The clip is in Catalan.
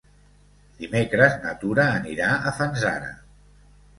Dimecres na Tura anirà a Fanzara.